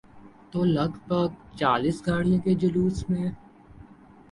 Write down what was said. تو لگ بھگ چالیس گاڑیوں کے جلوس میں۔